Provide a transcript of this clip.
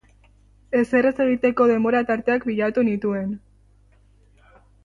Ezer ez egiteko denbora tarteak bilatu nituen.